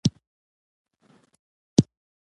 خلک د شلغمو په نرخ خرڅیږي